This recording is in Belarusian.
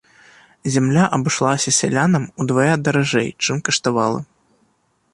Зямля абышлася сялянам удвая даражэй, чым каштавала.